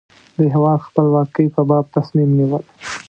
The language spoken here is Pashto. د هېواد خپلواکۍ په باب تصمیم نیول.